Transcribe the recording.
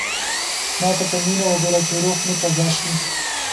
ما ته په مینه وګوره چې روح مې تازه شي.